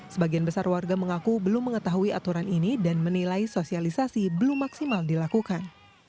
sebagian besar warga mengaku belum mengetahui aturan ini dan menilai sosialisasi belum maksimal dilakukan